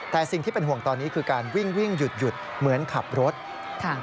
แต่สิ่งที่เป็นห่วงตอนนี้คือการวิ่งวิ่งหยุดเหมือนขับรถค่ะ